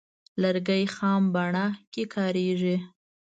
لرګی خام بڼه کې کاریږي.